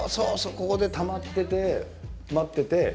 ここでたまってて待ってて。